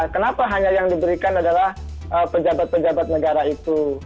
kenapa hanya yang diberikan adalah pejabat pejabat negara itu